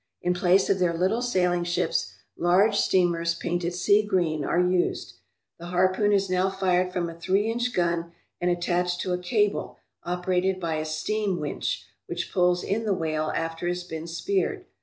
In place of their little sailing ships, large steamers, painted sea green, are used. The harpoon is now fired from a three inch gun and attached to a cable operated by a steam winch, which pulls in the whale after it has been speared.